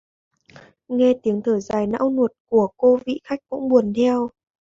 Nghe tiếng thở dài não ruột của cô vị khách cũng buồn theo